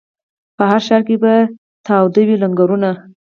په هر ښار کي به تاوده وي لنګرونه